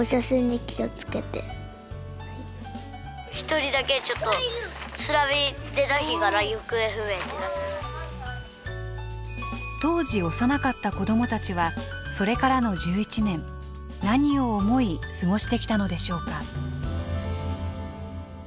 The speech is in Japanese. １人だけ当時幼かった子どもたちはそれからの１１年何を思い過ごしてきたのでしょうか？